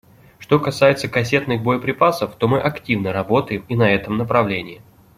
Что касается кассетных боеприпасов, то мы активно работаем и на этом направлении.